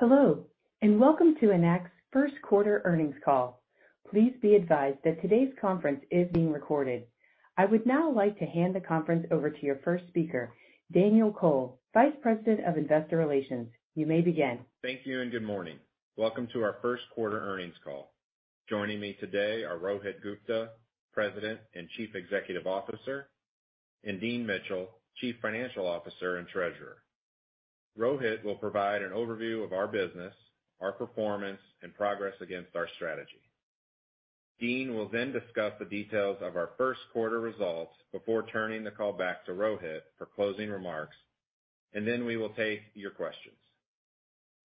Hello, welcome to Enact's Q1 Earnings Call. Please be advised that today's conference is being recorded. I would now like to hand the conference over to your first speaker, Daniel Kohl, Vice President of Investor Relations. You may begin. Thank you. Good morning. Welcome to our Q1 Earnings Call. Joining me today are Rohit Gupta, President and Chief Executive Officer, and Dean Mitchell, Chief Financial Officer and Treasurer. Rohit will provide an overview of our business, our performance, and progress against our strategy. Dean will discuss the details of our Q1 results before turning the call back to Rohit for closing remarks. We will take your questions.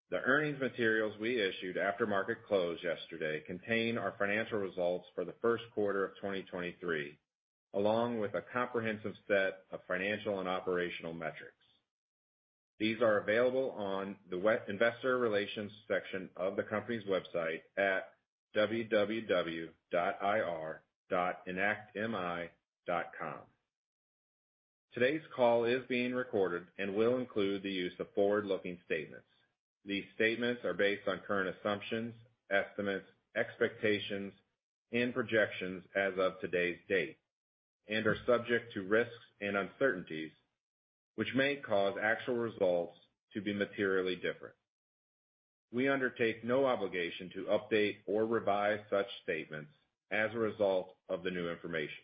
The earnings materials we issued after market close yesterday contain our financial results for the Q1 of 2023, along with a comprehensive set of financial and operational metrics. These are available on the Investor Relations section of the company's website at www.ir.enactmi.com. Today's call is being recorded and will include the use of forward-looking statements. These statements are based on current assumptions, estimates, expectations, and projections as of today's date, are subject to risks and uncertainties which may cause actual results to be materially different. We undertake no obligation to update or revise such statements as a result of the new information.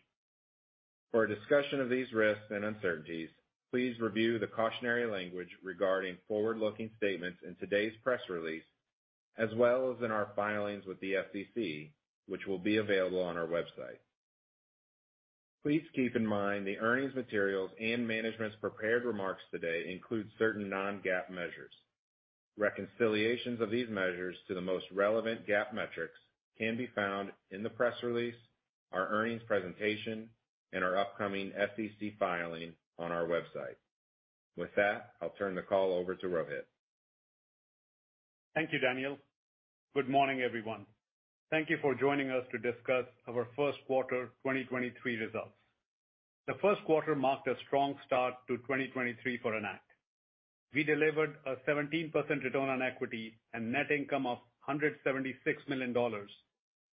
For a discussion of these risks and uncertainties, please review the cautionary language regarding forward-looking statements in today's press release, as well as in our filings with the SEC, which will be available on our website. Please keep in mind the earnings materials and management's prepared remarks today include certain non-GAAP measures. Reconciliations of these measures to the most relevant GAAP metrics can be found in the press release, our earnings presentation, and our upcoming SEC filing on our website. With that, I'll turn the call over to Rohit. Thank you, Daniel. Good morning, everyone. Thank you for joining us to discuss our Q1 2023 results. The Q1 marked a strong start to 2023 for Enact. We delivered a 17% return on equity and net income of $176 million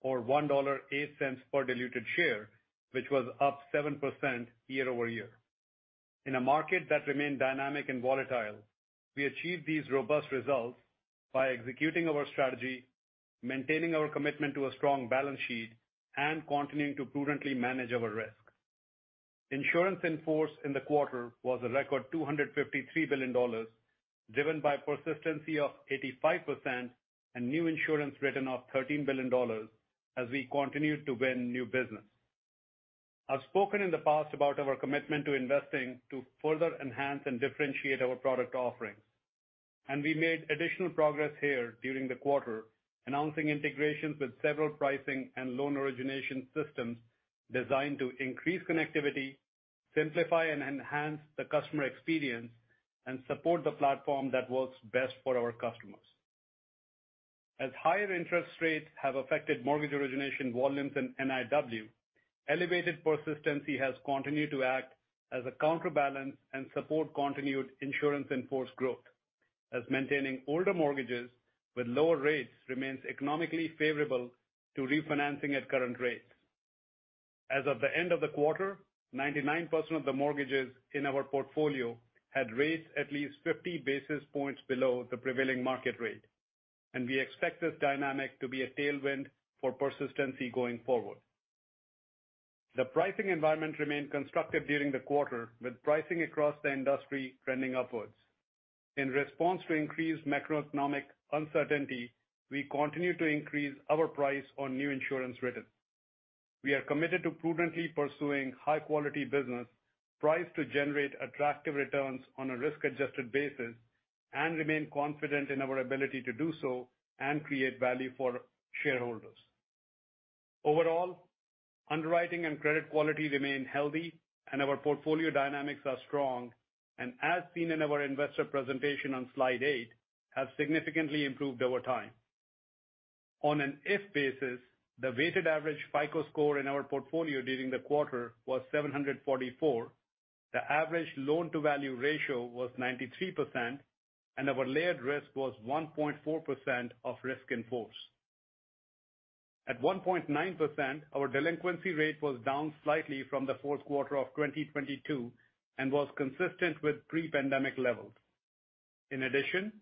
or $1.08 per diluted share, which was up 7% year-over-year. In a market that remained dynamic and volatile, we achieved these robust results by executing our strategy, maintaining our commitment to a strong balance sheet, and continuing to prudently manage our risk. Insurance in force in the quarter was a record $253 billion, driven by persistency of 85% and new insurance written of $13 billion as we continued to win new business. I've spoken in the past about our commitment to investing to further enhance and differentiate our product offerings. We made additional progress here during the quarter, announcing integrations with several pricing and loan origination systems designed to increase connectivity, simplify and enhance the customer experience, and support the platform that works best for our customers. As higher interest rates have affected mortgage origination volumes in NIW, elevated persistency has continued to act as a counterbalance and support continued insurance in force growth, as maintaining older mortgages with lower rates remains economically favorable to refinancing at current rates. As of the end of the quarter, 99% of the mortgages in our portfolio had rates at least 50 basis points below the prevailing market rate, and we expect this dynamic to be a tailwind for persistency going forward. The pricing environment remained constructive during the quarter, with pricing across the industry trending upwards. In response to increased macroeconomic uncertainty, we continue to increase our price on new insurance written. We are committed to prudently pursuing high-quality business priced to generate attractive returns on a risk-adjusted basis and remain confident in our ability to do so and create value for shareholders. Overall, underwriting and credit quality remain healthy and our portfolio dynamics are strong and as seen in our investor presentation on slide eight, have significantly improved over time. On an RIF basis, the weighted average FICO score in our portfolio during the quarter was 744. The average loan-to-value ratio was 93%, and our layered risk was 1.4% of risk in force. At 1.9%, our delinquency rate was down slightly from the Q4 of 2022 and was consistent with pre-pandemic levels. In addition,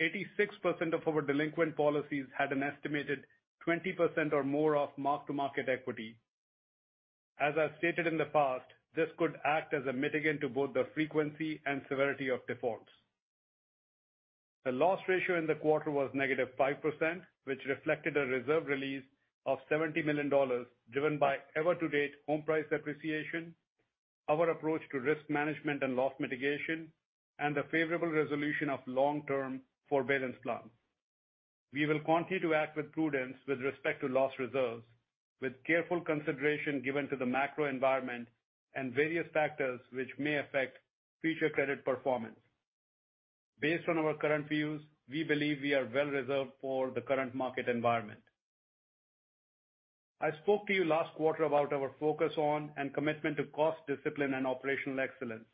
86% of our delinquent policies had an estimated 20% or more of mark-to-market equity. As I've stated in the past, this could act as a mitigant to both the frequency and severity of defaults. The loss ratio in the quarter was -5%, which reflected a reserve release of $70 million, driven by ever to date home price appreciation, our approach to risk management and loss mitigation, and the favorable resolution of long-term forbearance loans. We will continue to act with prudence with respect to loss reserves with careful consideration given to the macro environment and various factors which may affect future credit performance. Based on our current views, we believe we are well reserved for the current market environment. I spoke to you last quarter about our focus on and commitment to cost discipline and operational excellence.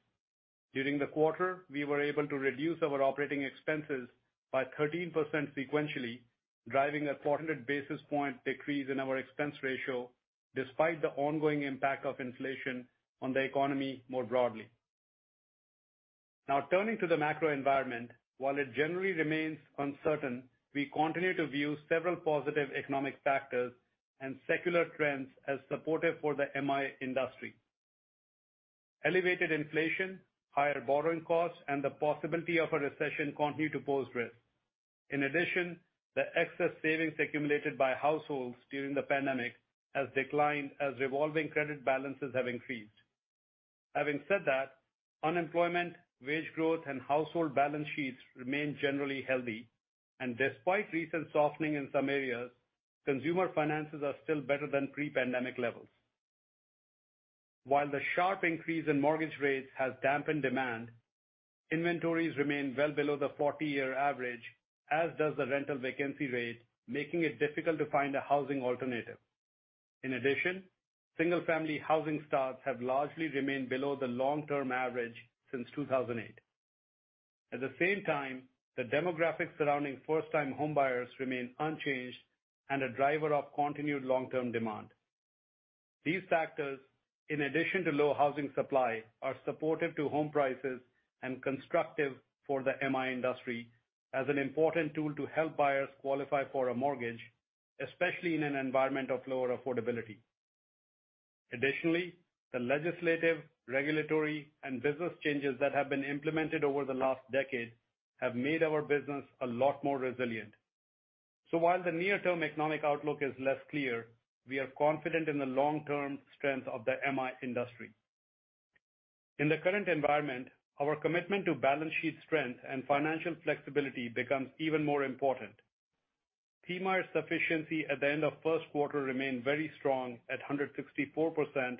During the quarter, we were able to reduce our operating expenses by 13% sequentially, driving a 400 basis point decrease in our expense ratio despite the ongoing impact of inflation on the economy more broadly. Turning to the macro environment. While it generally remains uncertain, we continue to view several positive economic factors and secular trends as supportive for the MI industry. Elevated inflation, higher borrowing costs, and the possibility of a recession continue to pose risks. The excess savings accumulated by households during the pandemic has declined as revolving credit balances have increased. Having said that, unemployment, wage growth, and household balance sheets remain generally healthy. Despite recent softening in some areas, consumer finances are still better than pre-pandemic levels. While the sharp increase in mortgage rates has dampened demand, inventories remain well below the 40-year average, as does the rental vacancy rate, making it difficult to find a housing alternative. Single-family housing starts have largely remained below the long-term average since 2008. The demographics surrounding first-time homebuyers remain unchanged and a driver of continued long-term demand. These factors, in addition to low housing supply, are supportive to home prices and constructive for the MI industry as an important tool to help buyers qualify for a mortgage, especially in an environment of lower affordability. The legislative, regulatory, and business changes that have been implemented over the last decade have made our business a lot more resilient. While the near-term economic outlook is less clear, we are confident in the long-term strength of the MI industry. In the current environment, our commitment to balance sheet strength and financial flexibility becomes even more important. PMIER sufficiency at the end of Q1 remained very strong at 164%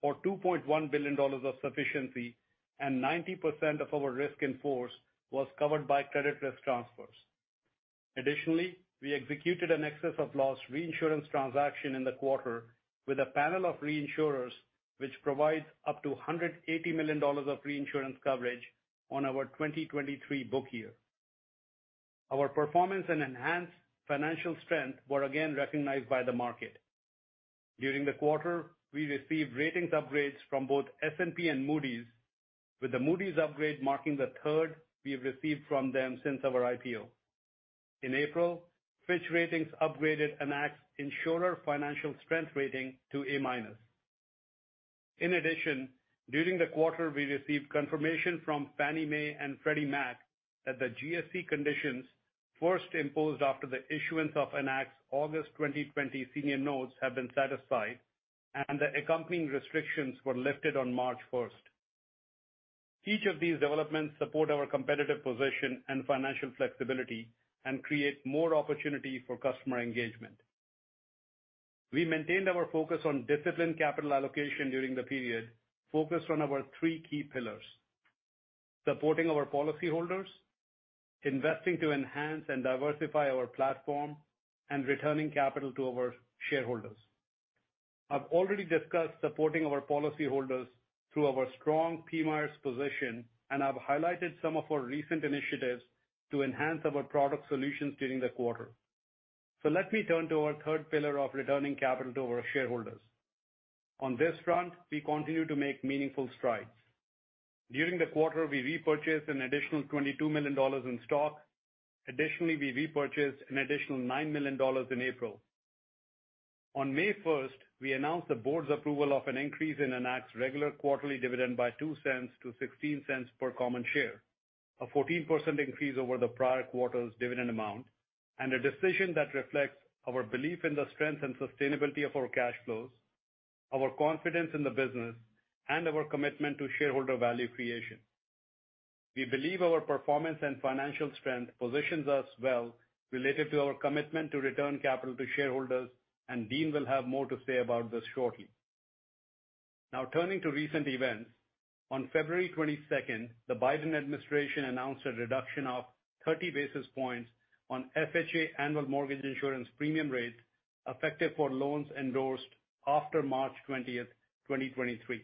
or $2.1 billion of sufficiency, and 90% of our risk in force was covered by credit risk transfers. We executed an excess of loss reinsurance transaction in the quarter with a panel of reinsurers, which provides up to $180 million of reinsurance coverage on our 2023 book year. Our performance and enhanced financial strength were again recognized by the market. During the quarter, we received ratings upgrades from both S&P and Moody's, with the Moody's upgrade marking the third we have received from them since our IPO. In April, Fitch Ratings upgraded Enact's insurer financial strength rating to A-minus. During the quarter, we received confirmation from Fannie Mae and Freddie Mac that the GSE conditions first imposed after the issuance of Enact's August 2020 senior notes have been satisfied, and the accompanying restrictions were lifted on March 1st. Each of these developments support our competitive position and financial flexibility and create more opportunity for customer engagement. We maintained our focus on disciplined capital allocation during the period, focused on our three key pillars: supporting our policyholders, investing to enhance and diversify our platform, and returning capital to our shareholders. I've already discussed supporting our policyholders through our strong PMIERs position. I've highlighted some of our recent initiatives to enhance our product solutions during the quarter. Let me turn to our third pillar of returning capital to our shareholders. On this front, we continue to make meaningful strides. During the quarter, we repurchased an additional $22 million in stock. Additionally, we repurchased an additional $9 million in April. On May first, we announced the board's approval of an increase in Enact's regular quarterly dividend by $0.02 to $0.16 per common share. A 14% increase over the prior quarter's dividend amount, a decision that reflects our belief in the strength and sustainability of our cash flows, our confidence in the business, and our commitment to shareholder value creation. We believe our performance and financial strength positions us well related to our commitment to return capital to shareholders. Dean will have more to say about this shortly. Now, turning to recent events. On February 22nd, the Biden administration announced a reduction of 30 basis points on FHA annual mortgage insurance premium rates effective for loans endorsed after March 20th, 2023.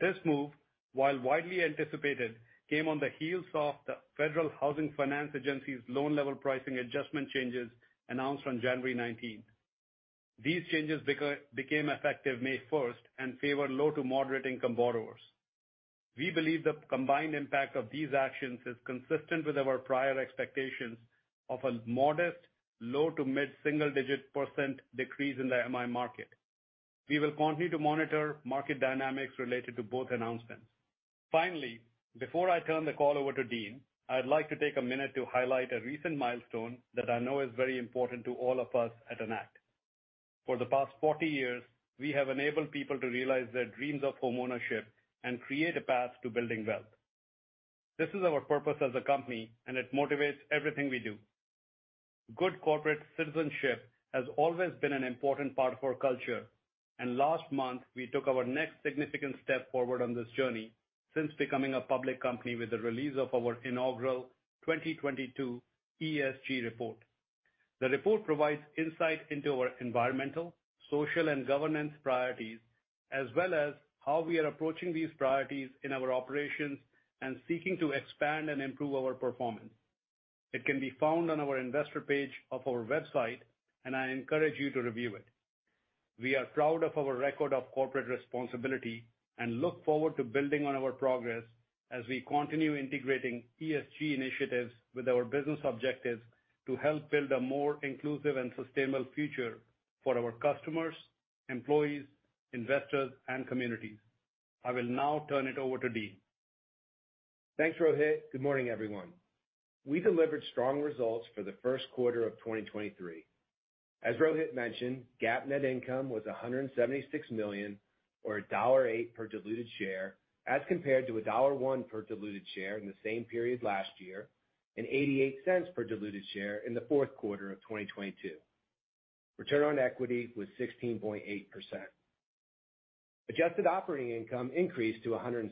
This move, while widely anticipated, came on the heels of the Federal Housing Finance Agency's loan-level pricing adjustment changes announced on January 19th. These changes became effective May 1st and favor low to moderate-income borrowers. We believe the combined impact of these actions is consistent with our prior expectations of a modest low to mid-single-digit % decrease in the MI market. We will continue to monitor market dynamics related to both announcements. Finally, before I turn the call over to Dean, I'd like to take a minute to highlight a recent milestone that I know is very important to all of us at Enact. For the past 40 years, we have enabled people to realize their dreams of homeownership and create a path to building wealth. This is our purpose as a company, and it motivates everything we do. Good corporate citizenship has always been an important part of our culture. Last month, we took our next significant step forward on this journey since becoming a public company with the release of our inaugural 2022 ESG report. The report provides insight into our environmental, social, and governance priorities, as well as how we are approaching these priorities in our operations and seeking to expand and improve our performance. It can be found on our investor page of our website, and I encourage you to review it. We are proud of our record of corporate responsibility and look forward to building on our progress as we continue integrating ESG initiatives with our business objectives to help build a more inclusive and sustainable future for our customers, employees, investors, and communities. I will now turn it over to Dean. Thanks, Rohit. Good morning, everyone. We delivered strong results for the Q1 of 2023. As Rohit mentioned, GAAP net income was $176 million or $1.08 per diluted share, as compared to $1.01 per diluted share in the same period last year, and $0.88 per diluted share in the Q4 of 2022. Return on equity was 16.8%. Adjusted operating income increased to $176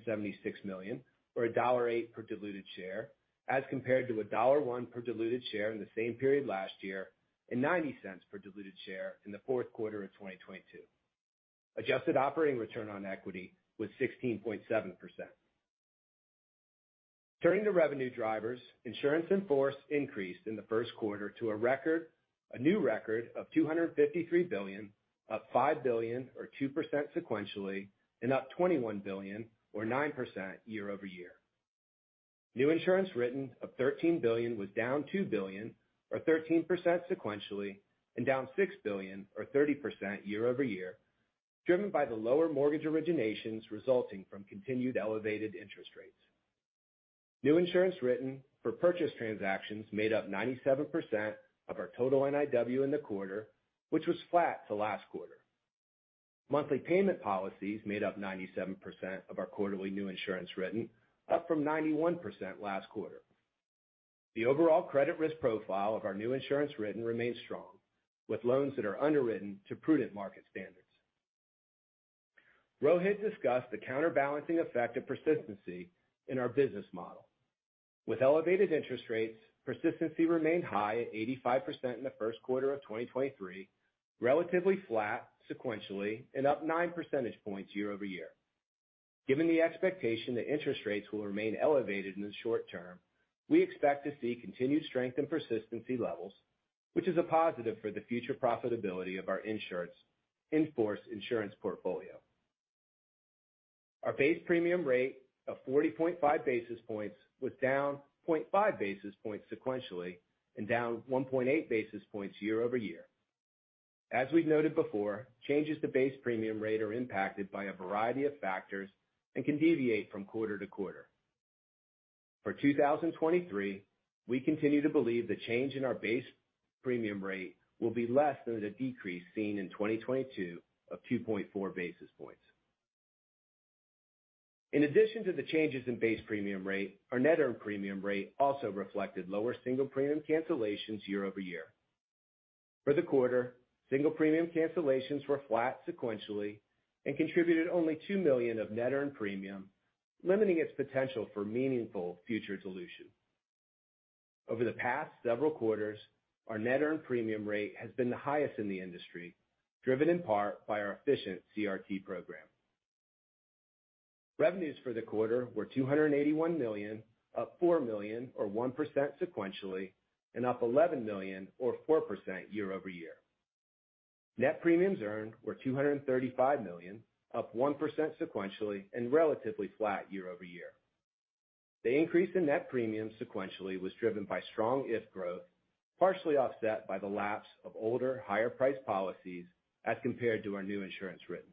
million, or $1.08 per diluted share, as compared to $1.01 per diluted share in the same period last year, and $0.90 per diluted share in the Q4 of 2022. Adjusted operating return on equity was 16.7%. Turning to revenue drivers, insurance in force increased in the Q1 to a record, a new record of $253 billion, up $5 billion or 2% sequentially, and up $21 billion or 9% year-over-year. New insurance written of $13 billion was down $2 billion or 13% sequentially, and down $6 billion or 30% year-over-year, driven by the lower mortgage originations resulting from continued elevated interest rates. New insurance written for purchase transactions made up 97% of our total NIW in the quarter, which was flat to last quarter. Monthly payment policies made up 97% of our quarterly new insurance written, up from 91% last quarter. The overall credit risk profile of our new insurance written remains strong, with loans that are underwritten to prudent market standards. Rohit discussed the counterbalancing effect of persistency in our business model. With elevated interest rates, persistency remained high at 85% in the Q1 of 2023, relatively flat sequentially and up 9 percentage points year-over-year. Given the expectation that interest rates will remain elevated in the short term, we expect to see continued strength in persistency levels, which is a positive for the future profitability of our insurance in force insurance portfolio. Our base premium rate of 40.5 basis points was down 0.5 basis points sequentially and down 1.8 basis points year-over-year. As we've noted before, changes to base premium rate are impacted by a variety of factors and can deviate from quarter-to-quarter. For 2023, we continue to believe the change in our base premium rate will be less than the decrease seen in 2022 of 2.4 basis points. In addition to the changes in base premium rate, our net earned premium rate also reflected lower single premium cancellations year-over-year. For the quarter, single premium cancellations were flat sequentially and contributed only $2 million of net earned premium, limiting its potential for meaningful future solution. Over the past several quarters, our net earned premium rate has been the highest in the industry, driven in part by our efficient CRT program. Revenues for the quarter were $281 million, up $4 million or 1% sequentially, and up $11 million or 4% year-over-year. Net premiums earned were $235 million, up 1% sequentially and relatively flat year-over-year. The increase in net premiums sequentially was driven by strong IIF growth, partially offset by the lapse of older, higher priced policies as compared to our new insurance written.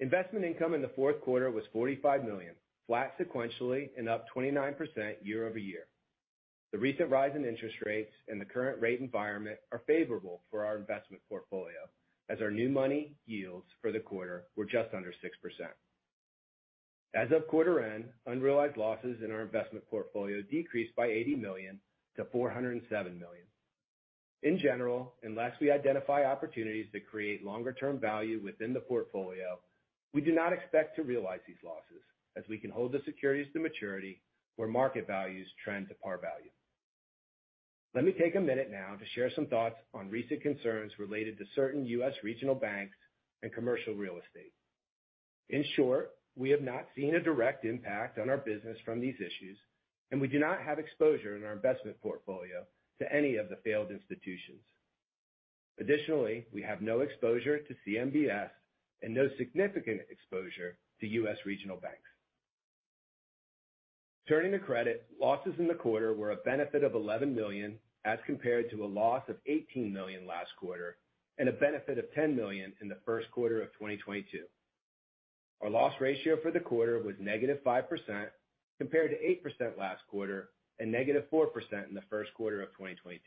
Investment income in the Q4 was $45 million, flat sequentially and up 29% year-over-year. The recent rise in interest rates and the current rate environment are favorable for our investment portfolio as our new money yields for the quarter were just under 6%. As of quarter end, unrealized losses in our investment portfolio decreased by $80 million to $407 million. In general, unless we identify opportunities that create longer term value within the portfolio, we do not expect to realize these losses as we can hold the securities to maturity where market values trend to par value. Let me take a minute now to share some thoughts on recent concerns related to certain U.S. regional banks and commercial real estate. In short, we have not seen a direct impact on our business from these issues, and we do not have exposure in our investment portfolio to any of the failed institutions. Additionally, we have no exposure to CMBS and no significant exposure to U.S. regional banks. Turning to credit, losses in the quarter were a benefit of $11 million, as compared to a loss of $18 million last quarter, and a benefit of $10 million in the Q1 of 2022. Our loss ratio for the quarter was -5%, compared to 8% last quarter and -4% in the Q1 of 2022.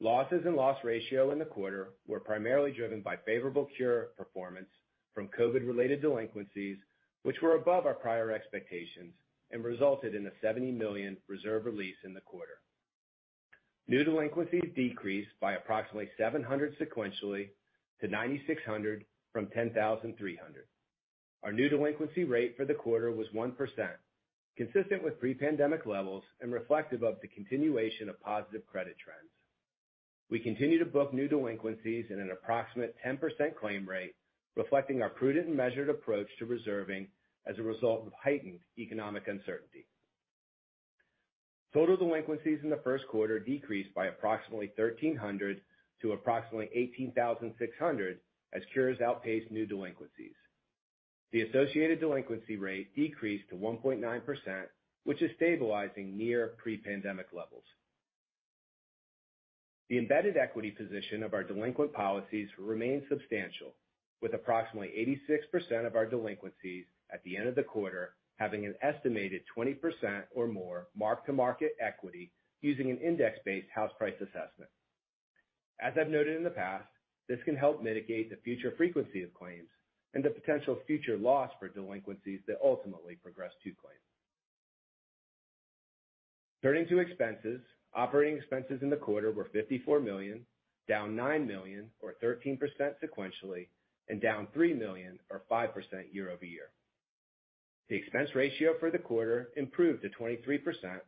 Losses and loss ratio in the quarter were primarily driven by favorable cure performance from COVID-related delinquencies, which were above our prior expectations and resulted in a $70 million reserve release in the quarter. New delinquencies decreased by approximately 700 sequentially to 9,600 from 10,300. Our new delinquency rate for the quarter was 1%, consistent with pre-pandemic levels and reflective of the continuation of positive credit trends. We continue to book new delinquencies at an approximate 10% claim rate, reflecting our prudent and measured approach to reserving as a result of heightened economic uncertainty. Total delinquencies in the Q1 decreased by approximately 1,300 to approximately 18,600 as cures outpaced new delinquencies. The associated delinquency rate decreased to 1.9%, which is stabilizing near pre-pandemic levels. The embedded equity position of our delinquent policies remains substantial, with approximately 86% of our delinquencies at the end of the quarter having an estimated 20% or more mark-to-market equity using an index-based house price assessment. As I've noted in the past, this can help mitigate the future frequency of claims and the potential future loss for delinquencies that ultimately progress to claims. Turning to expenses, operating expenses in the quarter were $54 million, down $9 million or 13% sequentially, and down $3 million or 5% year-over-year. The expense ratio for the quarter improved to 23%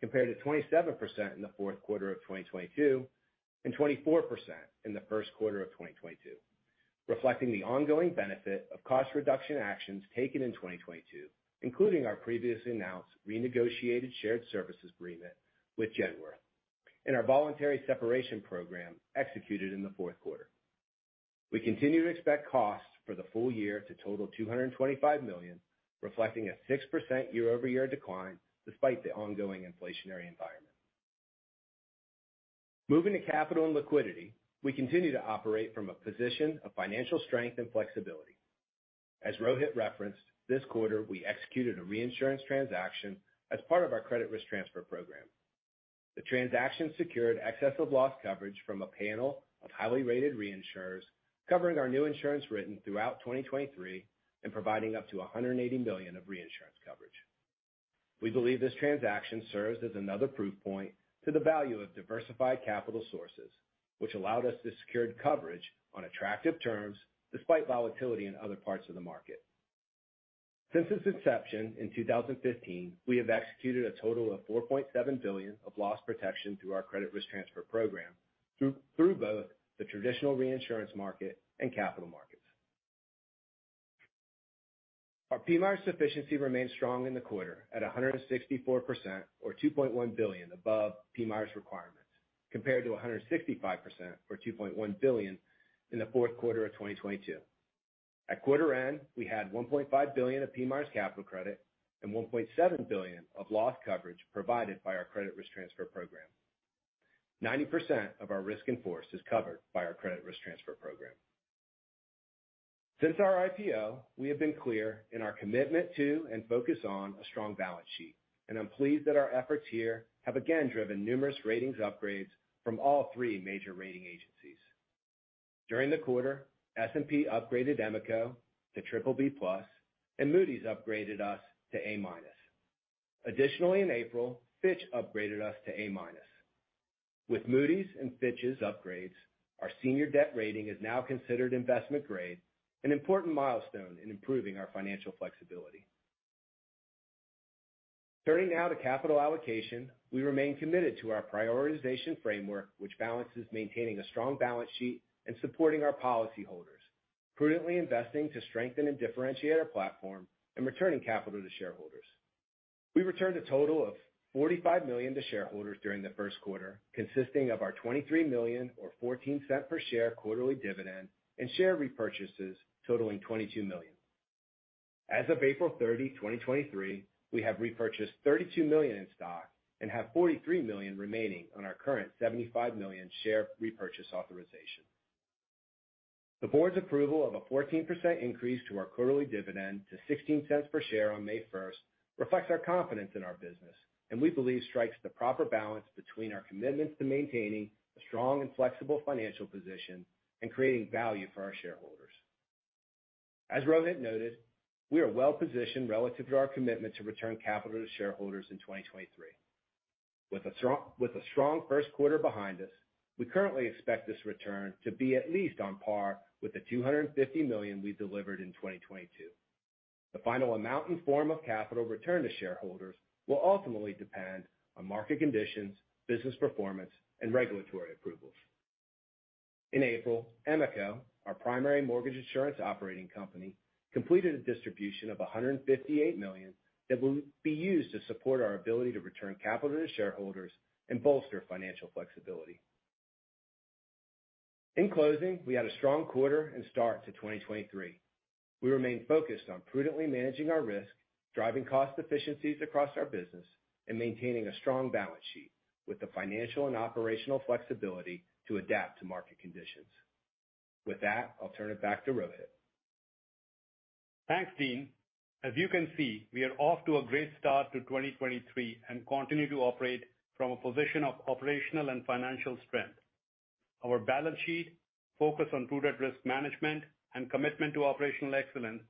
compared to 27% in the Q4 of 2022, and 24% in the Q1 of 2022, reflecting the ongoing benefit of cost reduction actions taken in 2022, including our previously announced renegotiated shared services agreement with Genworth and our voluntary separation program executed in the Q4. We continue to expect costs for the full year to total $225 million, reflecting a 6% year-over-year decline despite the ongoing inflationary environment. Moving to capital and liquidity, we continue to operate from a position of financial strength and flexibility. As Rohit referenced, this quarter we executed a reinsurance transaction as part of our credit risk transfer program. The transaction secured excess of loss coverage from a panel of highly rated reinsurers covering our new insurance written throughout 2023 and providing up to $180 million of reinsurance coverage. We believe this transaction serves as another proof point to the value of diversified capital sources, which allowed us to secure coverage on attractive terms despite volatility in other parts of the market. Since its inception in 2015, we have executed a total of $4.7 billion of loss protection through our credit risk transfer program through both the traditional reinsurance market and capital markets. Our PMIERs sufficiency remained strong in the quarter at 164% or $2.1 billion above PMIERs requirements, compared to 165% or $2.1 billion in the Q4 of 2022. At quarter end, we had $1.5 billion of PMIERs capital credit and $1.7 billion of loss coverage provided by our credit risk transfer program. 90% of our risk in force is covered by our credit risk transfer program. Since our IPO, we have been clear in our commitment to and focus on a strong balance sheet. I'm pleased that our efforts here have again driven numerous ratings upgrades from all three major rating agencies. During the quarter, S&P upgraded EMCO to triple B plus and Moody's upgraded us to A-minus. Additionally, in April, Fitch upgraded us to A-minus. With Moody's and Fitch's upgrades, our senior debt rating is now considered investment grade, an important milestone in improving our financial flexibility. Turning now to capital allocation, we remain committed to our prioritization framework, which balances maintaining a strong balance sheet and supporting our policyholders, prudently investing to strengthen and differentiate our platform and returning capital to shareholders. We returned a total of $45 million to shareholders during the Q1, consisting of our $23 million or $0.14 per share quarterly dividend and share repurchases totaling $22 million. As of April 30, 2023, we have repurchased $32 million in stock and have $43 million remaining on our current $75 million share repurchase authorization. The board's approval of a 14% increase to our quarterly dividend to $0.16 per share on May 1st reflects our confidence in our business and we believe strikes the proper balance between our commitments to maintaining a strong and flexible financial position and creating value for our shareholders. As Rohit noted, we are well-positioned relative to our commitment to return capital to shareholders in 2023. With a strong Q1 behind us, we currently expect this return to be at least on par with the $250 million we delivered in 2022. The final amount and form of capital returned to shareholders will ultimately depend on market conditions, business performance, and regulatory approvals. In April, EMCO, our primary mortgage insurance operating company, completed a distribution of $158 million that will be used to support our ability to return capital to shareholders and bolster financial flexibility. In closing, we had a strong quarter and start to 2023. We remain focused on prudently managing our risk, driving cost efficiencies across our business, and maintaining a strong balance sheet with the financial and operational flexibility to adapt to market conditions. With that, I'll turn it back to Rohit. Thanks, Dean. As you can see, we are off to a great start to 2023 and continue to operate from a position of operational and financial strength. Our balance sheet focus on prudent risk management and commitment to operational excellence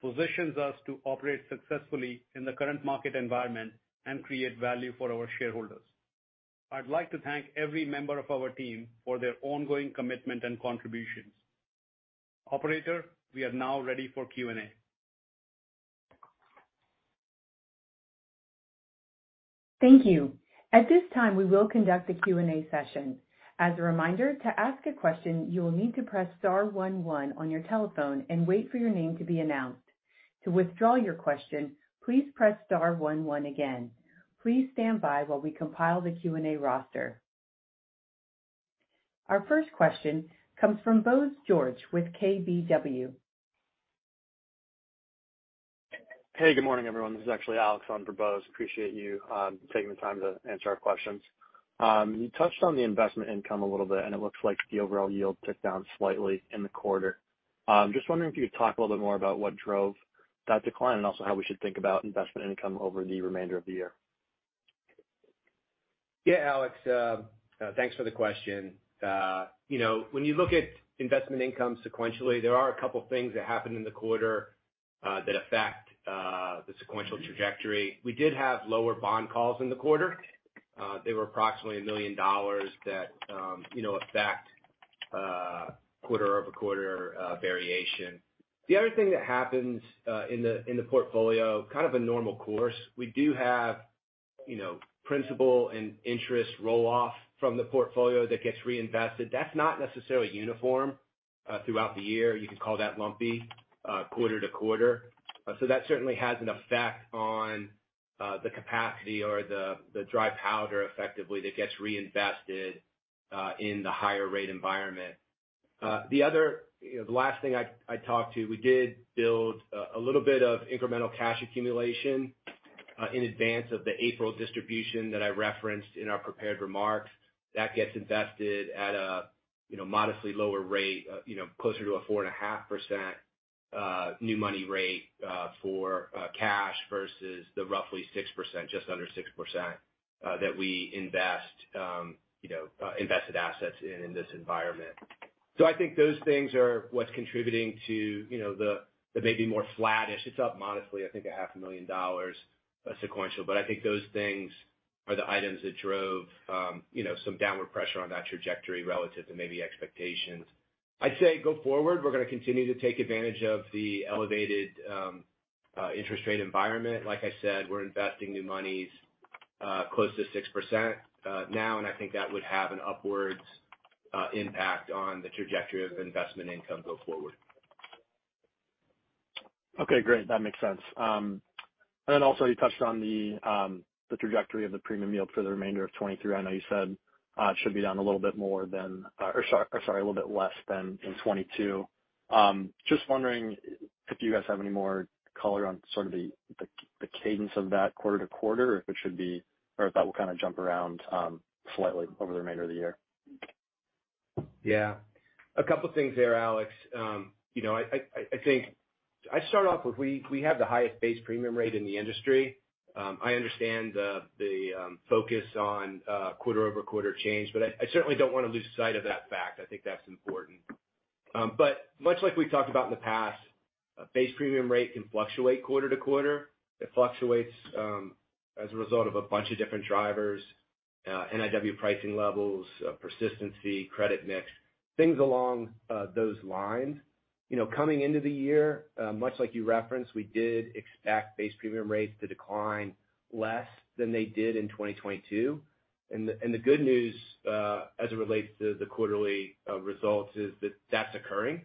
positions us to operate successfully in the current market environment and create value for our shareholders. I'd like to thank every member of our team for their ongoing commitment and contributions. Operator, we are now ready for Q&A. Thank you. At this time, we will conduct a Q&A session. As a reminder, to ask a question, you will need to press star one one on your telephone and wait for your name to be announced. To withdraw your question, please press star one one again. Please stand by while we compile the Q&A roster. Our first question comes from Bose George with KBW. Hey, good morning, everyone. This is actually Alex on for Bose. Appreciate you taking the time to answer our questions. You touched on the investment income a little bit, and it looks like the overall yield ticked down slightly in the quarter. Just wondering if you could talk a little bit more about what drove that decline and also how we should think about investment income over the remainder of the year. Yeah, Alex, thanks for the question. You know, when you look at investment income sequentially, there are a couple things that happened in the quarter that affect the sequential trajectory. We did have lower bond calls in the quarter. They were approximately $1 million that, you know, affect quarter-over-quarter variation. The other thing that happens in the portfolio, kind of a normal course, we do have, you know, principal and interest roll-off from the portfolio that gets reinvested. That's not necessarily uniform throughout the year. You can call that lumpy quarter-to-quarter. So that certainly has an effect on the capacity or the dry powder effectively that gets reinvested in the higher rate environment. The other, you know, the last thing I talked to, we did build a little bit of incremental cash accumulation, in advance of the April distribution that I referenced in our prepared remarks. That gets invested at a, you know, modestly lower rate, you know, closer to a 4.5% new money rate, for cash versus the roughly 6%, just under 6%, that we invest, you know, invested assets in this environment. I think those things are what's contributing to, you know, the maybe more flattish. It's up modestly, I think a half a million dollars sequential. I think those things are the items that drove, you know, some downward pressure on that trajectory relative to maybe expectations. I'd say go forward, we're gonna continue to take advantage of the elevated interest rate environment. Like I said, we're investing new monies, close to 6% now. I think that would have an upwards impact on the trajectory of investment income go forward. Okay, great. That makes sense. Also you touched on the trajectory of the premium yield for the remainder of 23. I know you said, it should be down a little bit more than, or sorry, a little bit less than in 22. Just wondering if you guys have any more color on sort of the cadence of that quarter to quarter, if it should be or if that will kind of jump around slightly over the remainder of the year. Yeah. A couple things there, Alex. You know, I think I start off with we have the highest base premium rate in the industry. I understand the focus on quarter-over-quarter change, but I certainly don't wanna lose sight of that fact. I think that's important. Much like we talked about in the past, a base premium rate can fluctuate quarter-to-quarter. It fluctuates as a result of a bunch of different drivers, NIW pricing levels, persistency, credit mix, things along those lines. You know, coming into the year, much like you referenced, we did expect base premium rates to decline less than they did in 2022. The good news as it relates to the quarterly results is that that's occurring.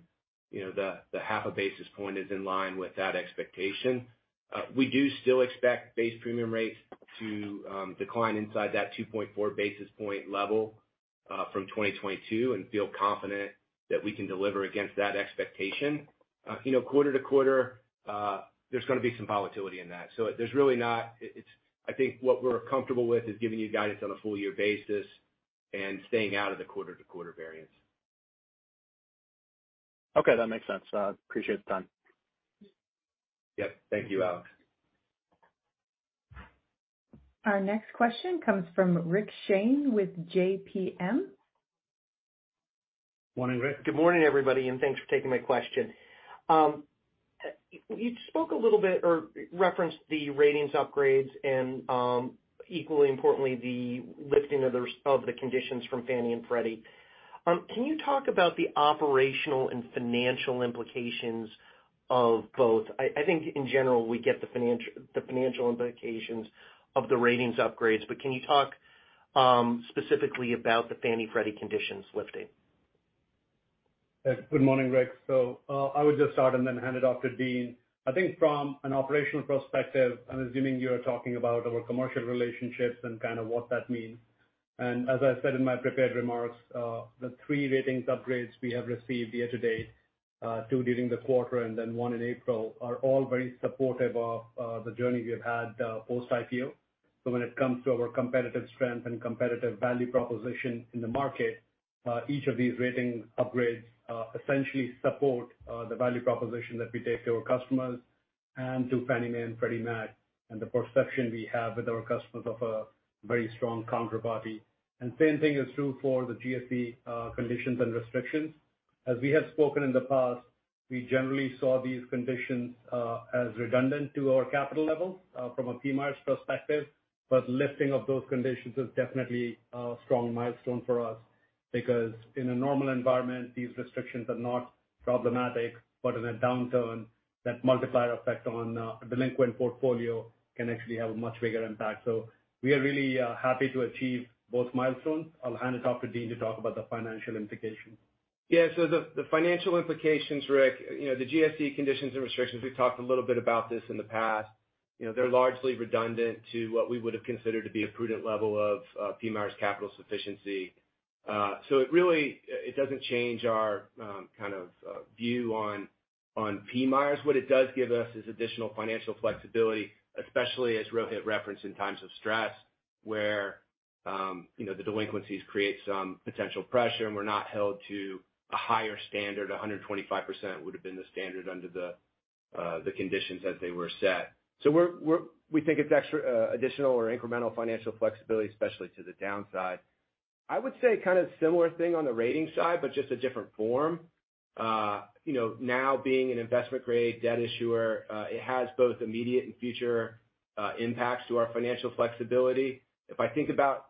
You know, the half a basis point is in line with that expectation. We do still expect base premium rates to decline inside that 2.4 basis point level from 2022 and feel confident that we can deliver against that expectation. You know, quarter-to-quarter, there's gonna be some volatility in that. There's really not. It's, I think what we're comfortable with is giving you guidance on a full year basis and staying out of the quarter-to-quarter variance. Okay, that makes sense. Appreciate the time. Yep. Thank you, Alex. Our next question comes from Rick Shane with JPM. Morning, Rick. Good morning, everybody. Thanks for taking my question. You spoke a little bit or referenced the ratings upgrades and equally importantly, the lifting of the conditions from Fannie Mae and Freddie Mac. Can you talk about the operational and financial implications of both? I think in general we get the financial implications of the ratings upgrades. Can you talk specifically about the Fannie/Freddie conditions lifting? Good morning, Rick. I would just start and then hand it off to Dean. I think from an operational perspective, I'm assuming you're talking about our commercial relationships and kind of what that means. As I said in my prepared remarks, the three ratings upgrades we have received year-to-date, two during the quarter and then one in April, are all very supportive of the journey we have had post-IPO. When it comes to our competitive strength and competitive value proposition in the market, each of these ratings upgrades essentially support the value proposition that we take to our customers. To Fannie Mae and Freddie Mac, and the perception we have with our customers of a very strong counterparty. Same thing is true for the GSE conditions and restrictions. As we have spoken in the past, we generally saw these conditions as redundant to our capital levels from a PMIERs perspective, lifting of those conditions is definitely a strong milestone for us because in a normal environment, these restrictions are not problematic. In a downturn, that multiplier effect on a delinquent portfolio can actually have a much bigger impact. We are really happy to achieve both milestones. I'll hand it off to Dean to talk about the financial implications. The financial implications, Rick, you know, the GSE conditions and restrictions, we've talked a little bit about this in the past. You know, they're largely redundant to what we would have considered to be a prudent level of PMIERs capital sufficiency. It really, it doesn't change our kind of view on PMIERs. What it does give us is additional financial flexibility, especially as Rohit referenced in times of stress, where, you know, the delinquencies create some potential pressure, and we're not held to a higher standard. 125% would have been the standard under the conditions as they were set. We think it's extra, additional or incremental financial flexibility, especially to the downside. I would say kind of similar thing on the rating side, but just a different form. you know, now being an investment-grade debt issuer, it has both immediate and future impacts to our financial flexibility. If I think about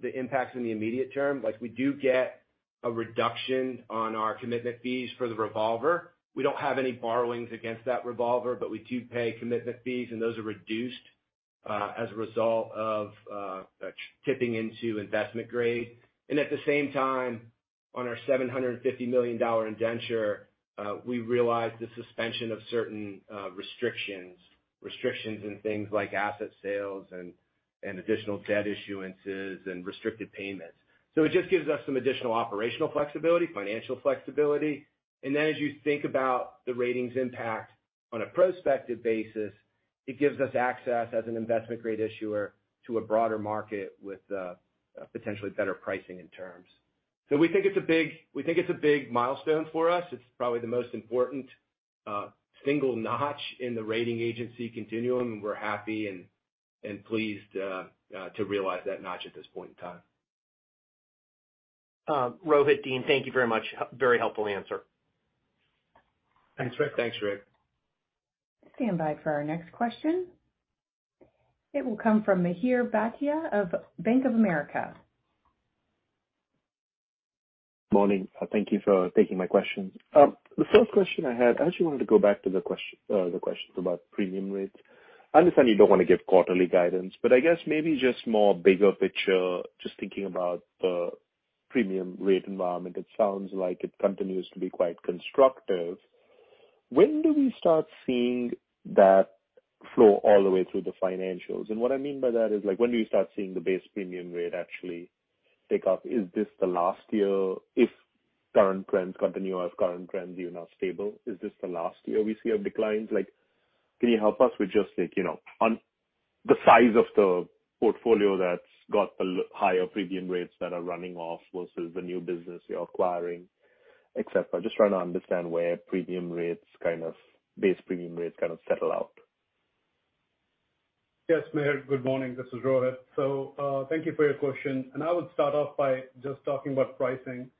the impacts in the immediate term, like we do get a reduction on our commitment fees for the revolver. We don't have any borrowings against that revolver, but we do pay commitment fees, and those are reduced as a result of tipping into investment grade. At the same time, on our $750 million indenture, we realized the suspension of certain restrictions. Restrictions in things like asset sales and additional debt issuances and restricted payments. It just gives us some additional operational flexibility, financial flexibility. As you think about the ratings impact on a prospective basis, it gives us access as an investment-grade issuer to a broader market with a potentially better pricing in terms. We think it's a big milestone for us. It's probably the most important single notch in the rating agency continuum, and we're happy and pleased to realize that notch at this point in time. Rohit, Dean, thank you very much. Very helpful answer. Thanks, Rick. Thanks, Rick. Stand by for our next question. It will come from Mihir Bhatia of Bank of America. Morning. Thank you for taking my question. The first question I had, I actually wanted to go back to the question about premium rates. I understand you don't want to give quarterly guidance, but I guess maybe just more bigger picture, just thinking about the premium rate environment. It sounds like it continues to be quite constructive. When do we start seeing that flow all the way through the financials? What I mean by that is, like, when do you start seeing the base premium rate actually take off? Is this the last year if current trends continue or if current trends even are stable? Is this the last year we see a decline? Like, can you help us with just like, you know, on the size of the portfolio that's got the higher premium rates that are running off versus the new business you're acquiring, et cetera? Just trying to understand where base premium rates kind of settle out. Yes, Mihir, good morning. This is Rohit. Thank you for your question. I would start off by just talking about pricing.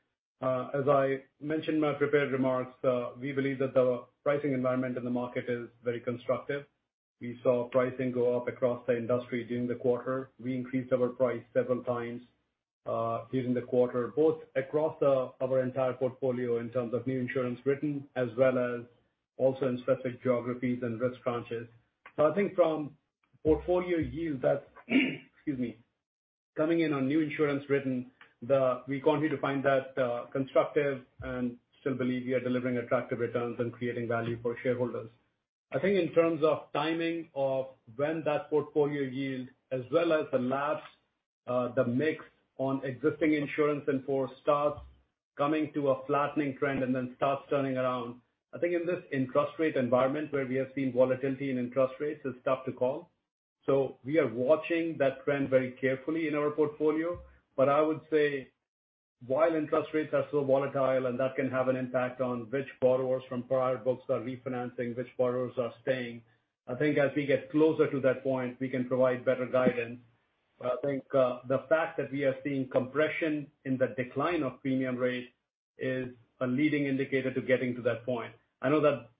As I mentioned in my prepared remarks, we believe that the pricing environment in the market is very constructive. We saw pricing go up across the industry during the quarter. We increased our price several times during the quarter, both across our entire portfolio in terms of new insurance written, as well as also in specific geographies and risk tranches. I think from portfolio yield, that's, excuse me, coming in on new insurance written, we continue to find that constructive and still believe we are delivering attractive returns and creating value for shareholders. I think in terms of timing of when that portfolio yield as well as the lapse, the mix on existing insurance and for starts coming to a flattening trend and then starts turning around. I think in this interest rate environment where we have seen volatility in interest rates, it's tough to call. We are watching that trend very carefully in our portfolio. I would say while interest rates are so volatile, and that can have an impact on which borrowers from prior books are refinancing, which borrowers are staying. I think as we get closer to that point, we can provide better guidance. I think, the fact that we are seeing compression in the decline of premium rate is a leading indicator to getting to that point. I know that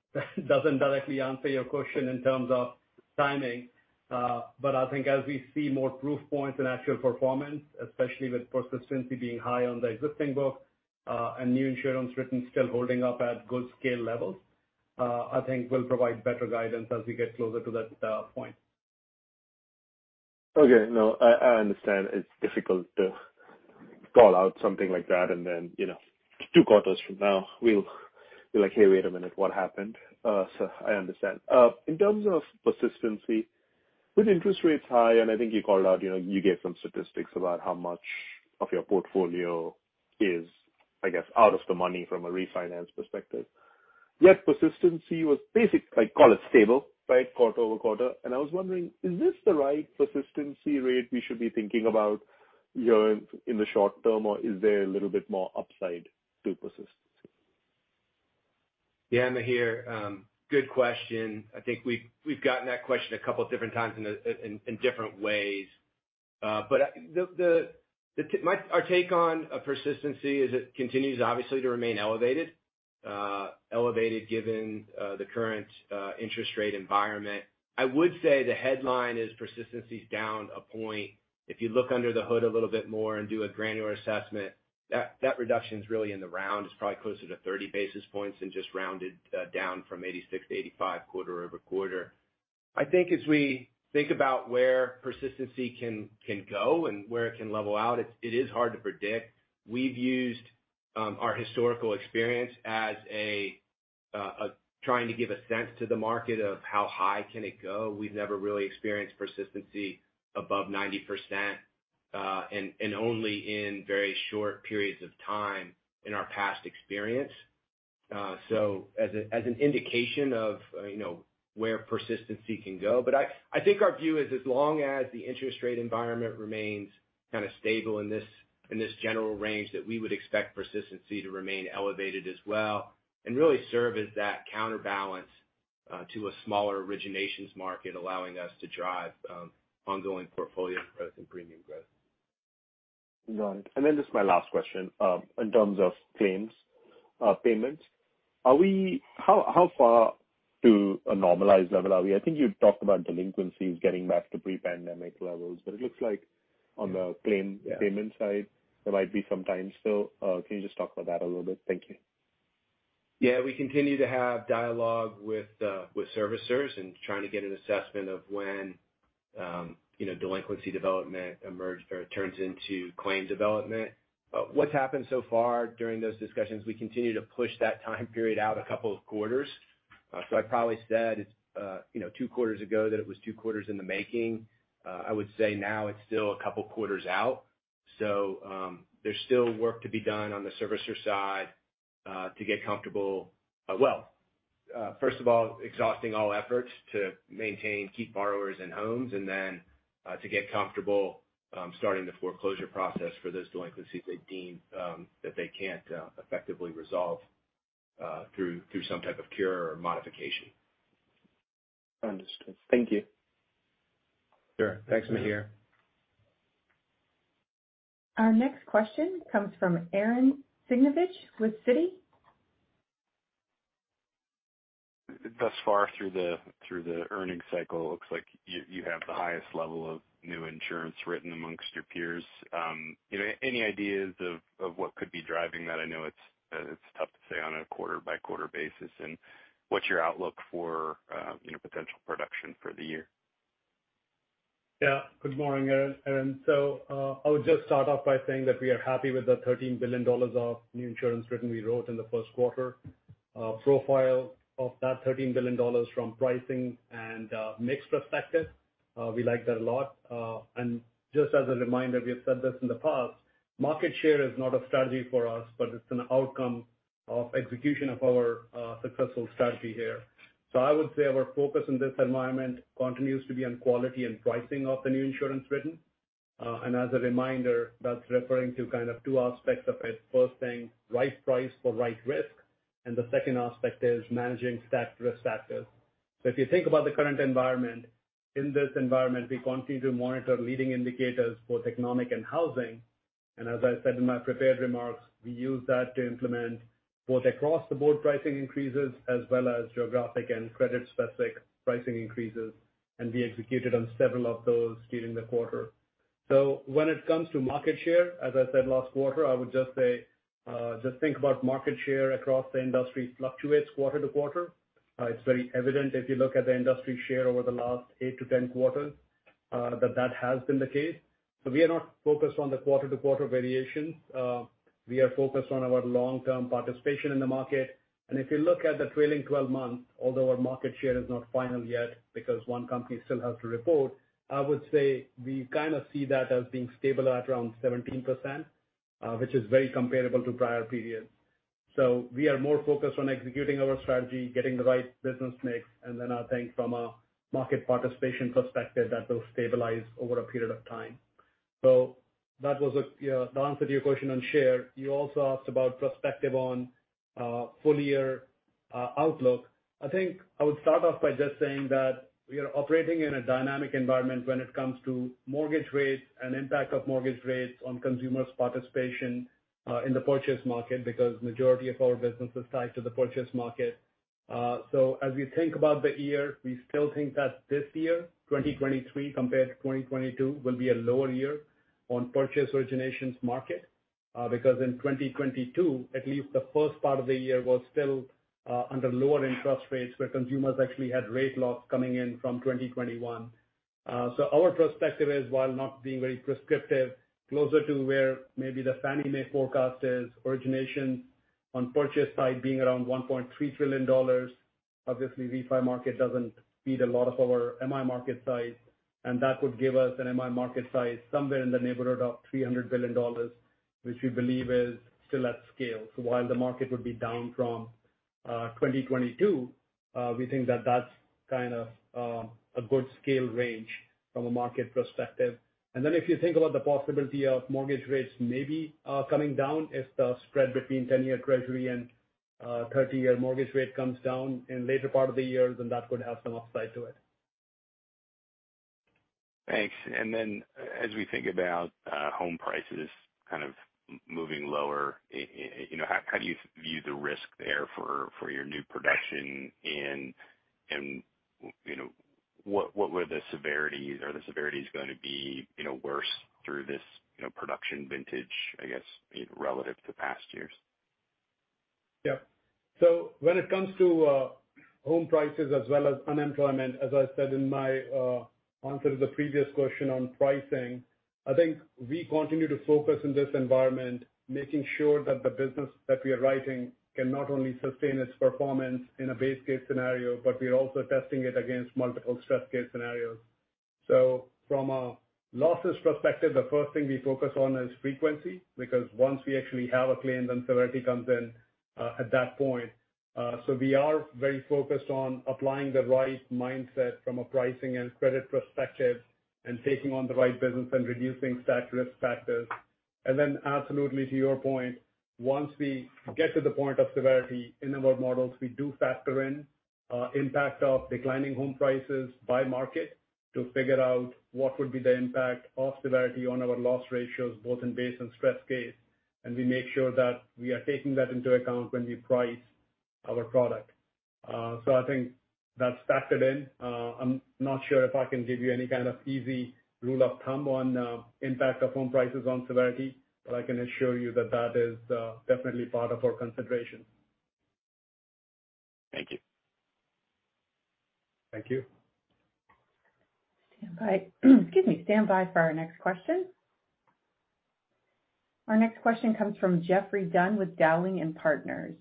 doesn't directly answer your question in terms of timing, but I think as we see more proof points in actual performance, especially with persistency being high on the existing book, and new insurance written still holding up at good scale levels, I think we'll provide better guidance as we get closer to that point. Okay. No, I understand it's difficult to call out something like that, you know, two quarters from now, we'll be like, Hey, wait a minute, what happened? I understand. In terms of persistency, with interest rates high, and I think you called out, you know, you gave some statistics about how much of your portfolio is, I guess, out of the money from a refinance perspective. Yet persistency was I call it stable, right? Quarter-over-quarter. I was wondering, is this the right persistency rate we should be thinking about? You're in the short term, or is there a little bit more upside to persistency? Yeah, Mihir, good question. I think we've gotten that question a couple different times in different ways. The our take on persistency is it continues, obviously, to remain elevated. Elevated given the current interest rate environment. I would say the headline is persistency's down a point. If you look under the hood a little bit more and do a granular assessment, that reduction's really in the round. It's probably closer to 30 basis points than just rounded down from 86 to 85 quarter-over-quarter. I think as we think about where persistency can go and where it can level out, it is hard to predict. We've used our historical experience as a, trying to give a sense to the market of how high can it go. We've never really experienced persistency above 90%, and only in very short periods of time in our past experience. As an indication of, you know, where persistency can go. I think our view is as long as the interest rate environment remains kind of stable in this, in this general range, that we would expect persistency to remain elevated as well, and really serve as that counterbalance to a smaller originations market, allowing us to drive ongoing portfolio growth and premium growth. Got it. Just my last question. In terms of claims, payments, how far to a normalized level are we? I think you talked about delinquencies getting back to pre-pandemic levels, but it looks like on the claim- Yeah. payment side, there might be some time still. Can you just talk about that a little bit? Thank you. Yeah, we continue to have dialogue with servicers and trying to get an assessment of when, you know, delinquency development emerge or turns into claim development. What's happened so far during those discussions, we continue to push that time period out a couple of quarters. I probably said, you know, two quarters ago that it was two quarters in the making. I would say now it's still a couple quarters out. There's still work to be done on the servicer side to get comfortable, well, first of all, exhausting all efforts to maintain, keep borrowers in homes, and then to get comfortable starting the foreclosure process for those delinquencies they deem that they can't effectively resolve through some type of cure or modification. Understood. Thank you. Sure. Thanks, Mihir. Our next question comes from Arren Cyganovich with Citi. Thus far through the earnings cycle, looks like you have the highest level of new insurance written amongst your peers. you know, any ideas of what could be driving that? I know it's tough to say on a quarter-by-quarter basis. what's your outlook for, you know, potential production for the year? Good morning, Arren. Arren, I would just start off by saying that we are happy with the $13 billion of new insurance written we wrote in the Q1. Profile of that $13 billion from pricing and mix perspective, we like that a lot. Just as a reminder, we have said this in the past, market share is not a strategy for us, but it's an outcome of execution of our successful strategy here. I would say our focus in this environment continues to be on quality and pricing of the new insurance written. As a reminder, that's referring to kind of two aspects of it. First thing, right price for right risk. The second aspect is managing stat risk factors. If you think about the current environment, in this environment, we continue to monitor leading indicators for both economic and housing. As I said in my prepared remarks, we use that to implement both across-the-board pricing increases as well as geographic and credit-specific pricing increases, and we executed on several of those during the quarter. When it comes to market share, as I said last quarter, I would just say, just think about market share across the industry fluctuates quarter-to-quarter. It's very evident if you look at the industry share over the last eight to 10 quarters, that has been the case. We are not focused on the quarter-to-quarter variations. We are focused on our long-term participation in the market. If you look at the trailing 12 months, although our market share is not final yet because one company still has to report, I would say we kind of see that as being stable at around 17%, which is very comparable to prior periods. We are more focused on executing our strategy, getting the right business mix, and then I think from a market participation perspective, that will stabilize over a period of time. That was the answer to your question on share. You also asked about perspective on full-year outlook. I think I would start off by just saying that we are operating in a dynamic environment when it comes to mortgage rates and impact of mortgage rates on consumers' participation in the purchase market, because majority of our business is tied to the purchase market. As we think about the year, we still think that this year, 2023 compared to 2022, will be a lower year on purchase originations market because in 2022, at least the first part of the year was still under lower interest rates, where consumers actually had rate locks coming in from 2021. Our perspective is, while not being very prescriptive, closer to where maybe the Fannie Mae forecast is, origination on purchase side being around $1.3 trillion. Obviously, refi market doesn't feed a lot of our MI market size, that would give us an MI market size somewhere in the neighborhood of $300 billion, which we believe is still at scale. While the market would be down from 2022, we think that that's kind of a good scale range from a market perspective. If you think about the possibility of mortgage rates maybe coming down if the spread between 10-year treasury and 30-year mortgage rate comes down in later part of the year, then that could have some upside to it. Thanks. As we think about home prices kind of moving lower, you know, how do you view the risk there for your new production? You know, what were the severities? Are the severities gonna be, you know, worse through this, you know, production vintage, I guess, you know, relative to past years? Yeah. When it comes to home prices as well as unemployment, as I said in my answer to the previous question on pricing, I think we continue to focus in this environment, making sure that the business that we are writing can not only sustain its performance in a base case scenario, but we're also testing it against multiple stress case scenarios. From a losses perspective, the first thing we focus on is frequency, because once we actually have a claim, then severity comes in at that point. We are very focused on applying the right mindset from a pricing and credit perspective and taking on the right business and reducing such risk factors. Absolutely to your point, once we get to the point of severity in our models, we do factor in impact of declining home prices by market to figure out what would be the impact of severity on our loss ratios, both in base and stress case. We make sure that we are taking that into account when we price our product. I think that's factored in. I'm not sure if I can give you any kind of easy rule of thumb on impact of home prices on severity, but I can assure you that that is definitely part of our consideration. Thank you. Thank you. Standby. Excuse me. Stand by for our next question. Our next question comes from Geoffrey Dunn with Dowling & Partners.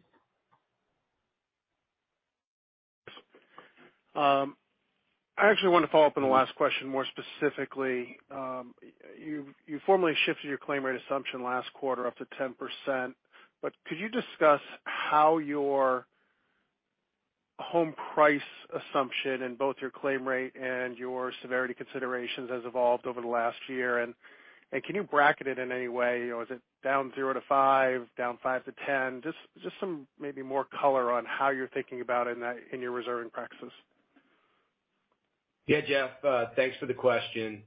I actually wanna follow up on the last question more specifically. You formally shifted your claim rate assumption last quarter up to 10%, but could you discuss how your home price assumption in both your claim rate and your severity considerations has evolved over the last year? Can you bracket it in any way? You know, is it down zero to five, down five to 10? Just some maybe more color on how you're thinking about it in your reserving practices. Jeff, thanks for the question.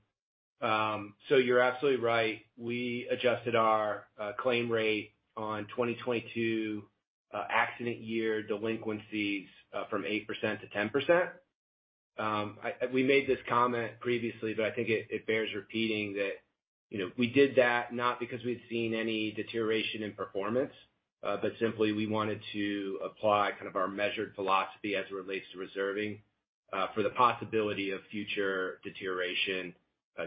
You're absolutely right. We adjusted our claim rate on 2022 accident year delinquencies from 8% to 10%. We made this comment previously, but I think it bears repeating that, you know, we did that not because we'd seen any deterioration in performance, but simply we wanted to apply kind of our measured philosophy as it relates to reserving for the possibility of future deterioration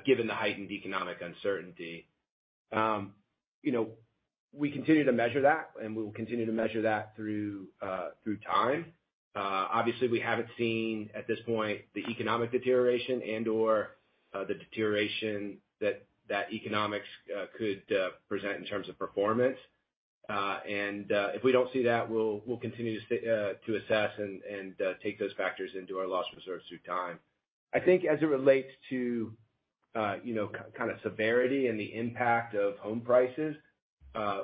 given the heightened economic uncertainty. You know, we continue to measure that, and we will continue to measure that through through time. Obviously, we haven't seen at this point the economic deterioration and or the deterioration that economics could present in terms of performance. If we don't see that, we'll continue to assess and take those factors into our loss reserves through time. I think as it relates to, you know, kind of severity and the impact of home prices,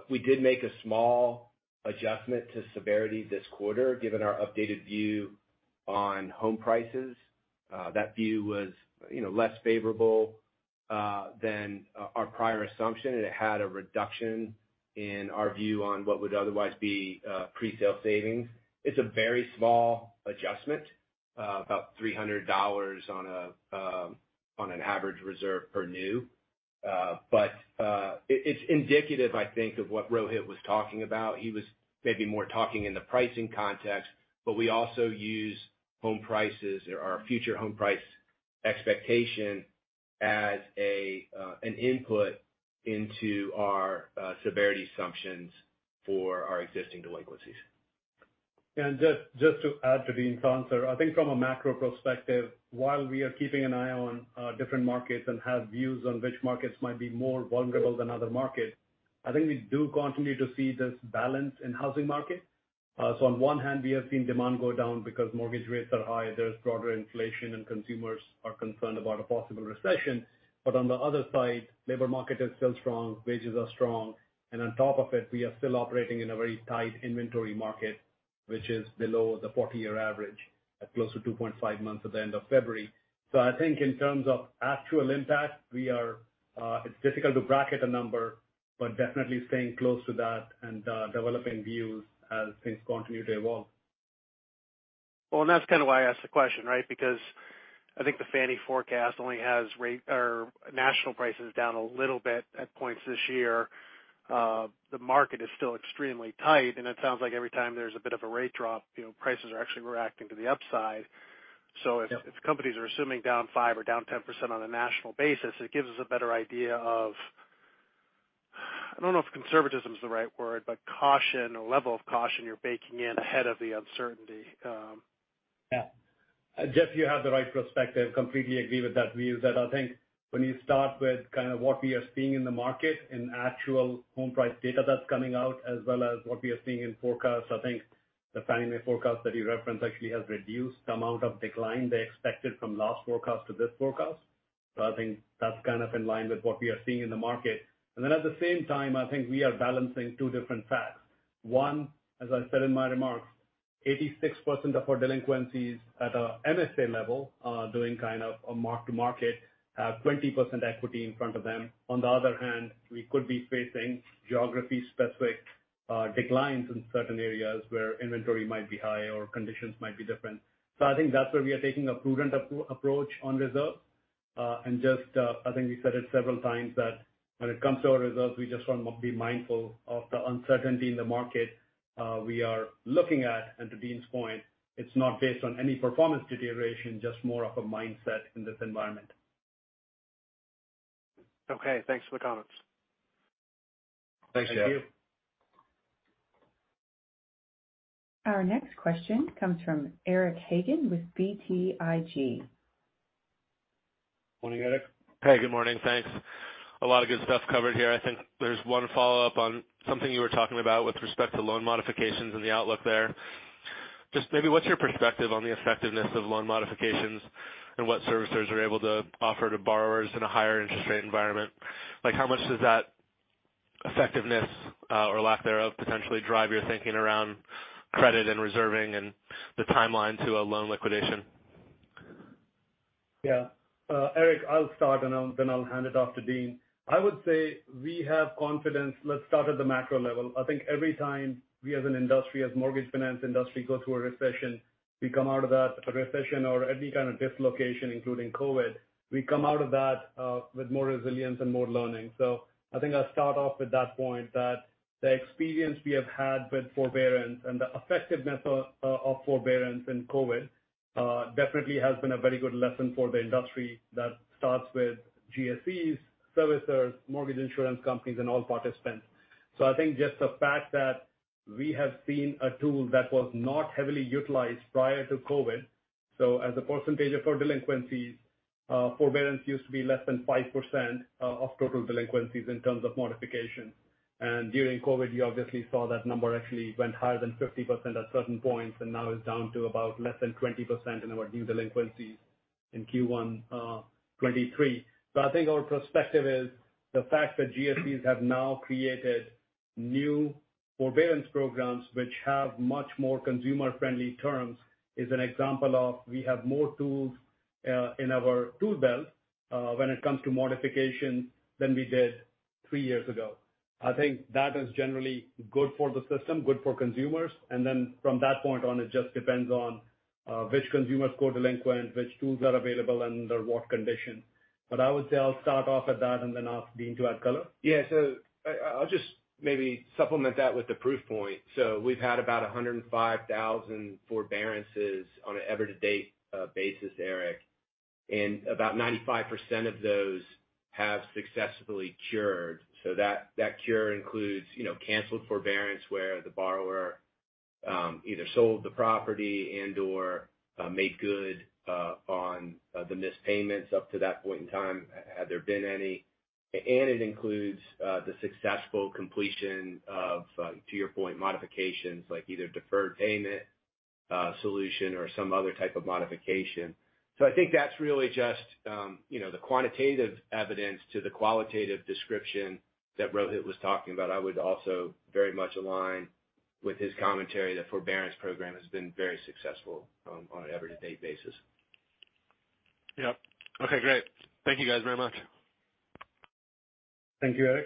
we did make a small adjustment to severity this quarter given our updated view on home prices. That view was, you know, less favorable than our prior assumption, and it had a reduction in our view on what would otherwise be presale savings. It's a very small adjustment, about $300 on an average reserve per new. It's indicative, I think, of what Rohit was talking about. He was maybe more talking in the pricing context, but we also use home prices or our future home price expectation as an input into our severity assumptions for our existing delinquencies. Just, just to add to Dean's answer, I think from a macro perspective, while we are keeping an eye on different markets and have views on which markets might be more vulnerable than other markets, I think we do continue to see this balance in housing market. On one hand, we have seen demand go down because mortgage rates are high, there's broader inflation, and consumers are concerned about a possible recession. On the other side, labor market is still strong, wages are strong, and on top of it, we are still operating in a very tight inventory market, which is below the 40-year average at close to 2.5 months at the end of February. I think in terms of actual impact, it's difficult to bracket a number, but definitely staying close to that and developing views as things continue to evolve. That's kind of why I asked the question, right? I think the Fannie forecast only has rate or national prices down a little bit at points this year. The market is still extremely tight, it sounds like every time there's a bit of a rate drop, you know, prices are actually reacting to the upside. Yep. if companies are assuming down 5% or down 10% on a national basis, it gives us a better idea of, I don't know if conservatism is the right word, but caution or level of caution you're baking in ahead of the uncertainty. Yeah. Jeff, you have the right perspective. Completely agree with that view that I think when you start with kind of what we are seeing in the market and actual home price data that's coming out as well as what we are seeing in forecasts, I think the Fannie Mae forecast that you referenced actually has reduced the amount of decline they expected from last forecast to this forecast. I think that's kind of in line with what we are seeing in the market. At the same time, I think we are balancing two different facts. One, as I said in my remarks, 86% of our delinquencies at a MSA level are doing kind of a mark-to-market, 20% equity in front of them. On the other hand, we could be facing geography-specific declines in certain areas where inventory might be high or conditions might be different. I think that's where we are taking a prudent approach on reserve. Just, I think we said it several times that when it comes to our reserves, we just wanna be mindful of the uncertainty in the market. We are looking at, and to Dean's point, it's not based on any performance deterioration, just more of a mindset in this environment. Okay, thanks for the comments. Thanks, Jeff. Thank you. Our next question comes from Eric Hagen with BTIG. Morning, Eric. Hey, good morning. Thanks. A lot of good stuff covered here. I think there's one follow-up on something you were talking about with respect to loan modifications and the outlook there. Just maybe what's your perspective on the effectiveness of loan modifications and what servicers are able to offer to borrowers in a higher interest rate environment? Like, how much does that effectiveness, or lack thereof potentially drive your thinking around credit and reserving and the timeline to a loan liquidation? Yeah. Eric, I'll start and then I'll hand it off to Dean. I would say we have confidence. Let's start at the macro level. I think every time we as an industry, as mortgage finance industry go through a recession, we come out of that recession or any kind of dislocation, including COVID, we come out of that with more resilience and more learning. I think I'll start off with that point, that the experience we have had with forbearance and the effectiveness of forbearance in COVID definitely has been a very good lesson for the industry that starts with GSEs, servicers, mortgage insurance companies, and all participants. I think just the fact that we have seen a tool that was not heavily utilized prior to COVID. As a percentage of our delinquencies, forbearance used to be less than 5% of total delinquencies in terms of modification. During COVID, you obviously saw that number actually went higher than 50% at certain points, and now is down to about less than 20% in our new delinquencies in Q1 2023. I think our perspective is the fact that GSEs have now created new forbearance programs which have much more consumer-friendly terms, is an example of we have more tools in our tool belt when it comes to modification than we did three years ago. I think that is generally good for the system, good for consumers. From that point on, it just depends on which consumers go delinquent, which tools are available under what condition. I would say I'll start off at that and then ask Dean to add color. I'll just maybe supplement that with a proof point. We've had about 105,000 forbearances on an ever to date basis, Eric, and about 95% of those have successfully cured. That, that cure includes, you know, canceled forbearance where the borrower either sold the property and or made good on the missed payments up to that point in time, had there been any. And it includes the successful completion of, to your point, modifications like either deferred payment solution or some other type of modification. I think that's really just, you know, the quantitative evidence to the qualitative description that Rohit was talking about. I would also very much align with his commentary. The forbearance program has been very successful on an ever to date basis. Yep. Okay, great. Thank you guys very much. Thank you, Eric.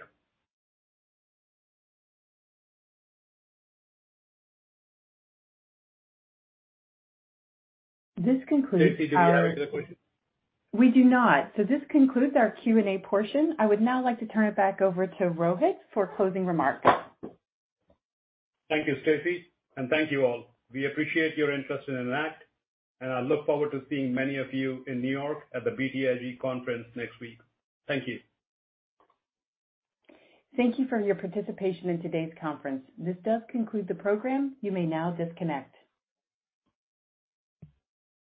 This concludes our-. Stacy, do we have any other questions? We do not. This concludes our Q&A portion. I would now like to turn it back over to Rohit for closing remarks. Thank you, Stacy, and thank you all. We appreciate your interest in Enact, and I look forward to seeing many of you in New York at the BTIG conference next week. Thank you. Thank you for your participation in today's conference. This does conclude the program. You may now disconnect.